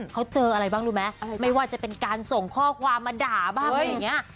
เขาเจออะไรบ้างรู้ไหมไม่ว่าจะเป็นการส่งข้อความมาด่าบ้างอะไรอย่างนี้